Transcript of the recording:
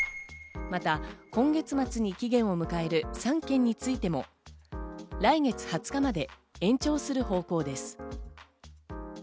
また、今月末に期限を迎える３県についても、来月２０日まで延長する方向です。